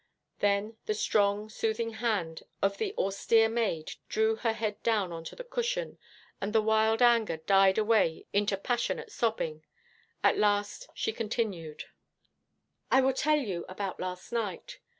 Then the strong, soothing hand of the austere maid drew her head down on to the cushion, and the wild anger died away into passionate sobbing. At last she continued: 'I will tell you about last night.